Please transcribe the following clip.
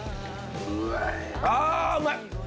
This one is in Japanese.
あうまい！